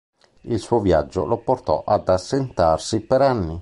Il suo viaggio lo portò ad assentarsi per anni.